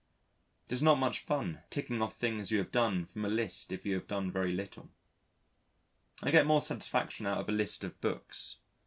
It is not much fun ticking off things you have done from a list if you have done very little. I get more satisfaction out of a list of books.